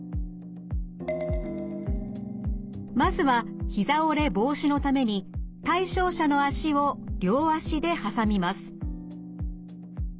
まずはひざ折れ防止のために対象者の足を両足で挟みます。